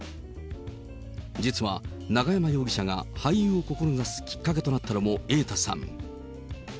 実は、永山容疑者が俳優を志すきっかけとなったのも瑛太さん。